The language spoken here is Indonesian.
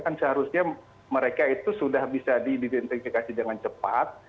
kan seharusnya mereka itu sudah bisa diidentifikasi dengan cepat